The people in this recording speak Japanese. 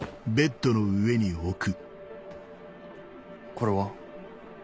これは？